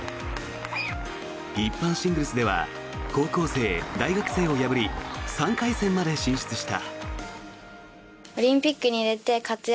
一般シングルスでは高校生、大学生を破り３回戦まで進出した。